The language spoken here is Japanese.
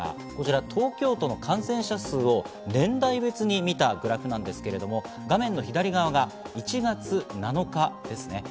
東京都の感染者数を年代別に見たグラフなんですが、画面の左側が１月７日。